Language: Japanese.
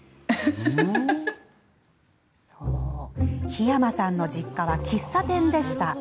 桧山さんの実家は喫茶店でした。